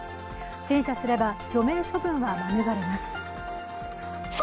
陳謝すれば除名処分は免れます。